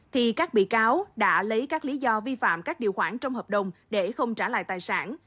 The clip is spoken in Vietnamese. thì các bị cáo đã lấy các lý do vi phạm các điều khoản trong hợp đồng để không trả lại tài sản